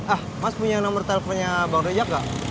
ah mas punya nomer telponnya bang ojak ga